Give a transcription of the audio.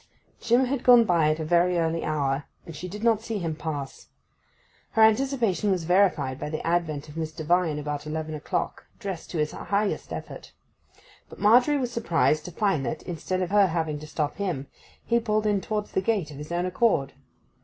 Jim had gone by at a very early hour, and she did not see him pass. Her anticipation was verified by the advent of Mr. Vine about eleven o'clock, dressed to his highest effort; but Margery was surprised to find that, instead of her having to stop him, he pulled in towards the gate of his own accord.